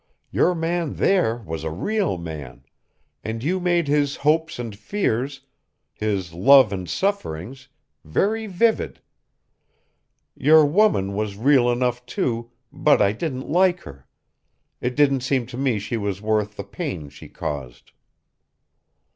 Your man there was a real man, and you made his hopes and fears, his love and sufferings, very vivid. Your woman was real enough too, but I didn't like her. It didn't seem to me she was worth the pain she caused."